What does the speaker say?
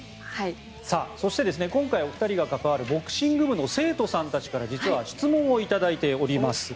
そして今回お二人が関わるボクシング部の生徒さんたちから実は質問を頂いております。